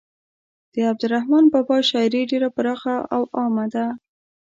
د عبدالرحمان بابا شاعري ډیره پراخه او عامه ده.